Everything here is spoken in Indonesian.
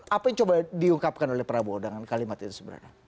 apa yang coba diungkapkan oleh prabowo dengan kalimat itu sebenarnya